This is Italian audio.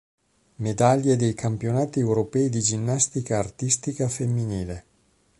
Medaglie dei Campionati europei di ginnastica artistica femminile